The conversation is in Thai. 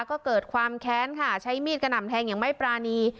ก็เกิดความแค้นค่ะใช้มีดกระหน่ำแทงอย่างไม่ปรานี